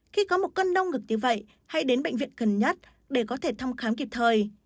khi có một cơn đau ngực như vậy hãy đến bệnh viện gần nhất để có thể thăm khám kịp thời